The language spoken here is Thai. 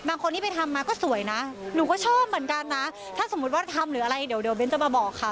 บางคนที่ไปทำมาก็สวยนะหนูก็ชอบเหมือนกันนะถ้าสมมุติว่าทำหรืออะไรเดี๋ยวเน้นจะมาบอกค่ะ